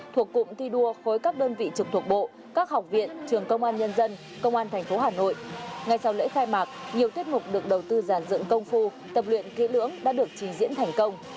thuộc cụm thi đua khối các đơn vị trực thuộc bộ các học viện trường công an nhân dân công an tp hà nội ngay sau lễ khai mạc nhiều tiết mục được đầu tư giàn dựng công phu tập luyện kỹ lưỡng đã được trình diễn thành công